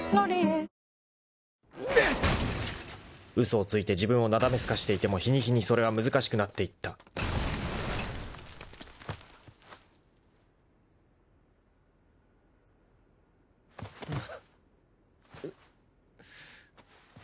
［嘘をついて自分をなだめすかしていても日に日にそれは難しくなっていった］うっ。